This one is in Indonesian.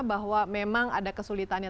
bahwa memang ada kesulitannya